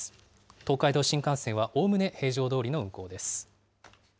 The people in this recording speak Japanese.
東海道新幹線は、おおむね平常どおりの運行です。